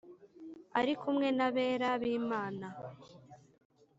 Ari kumwe n abera b’imana